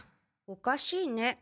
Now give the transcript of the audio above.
おかしいね。